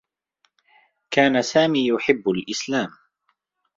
كان سامي يحبّ الإسلام.